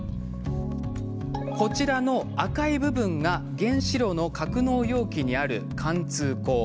こちらの赤い部分が原子炉の格納容器にある貫通孔。